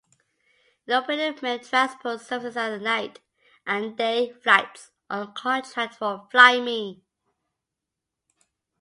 It operated mail transport services at night and day flights on contract for FlyMe.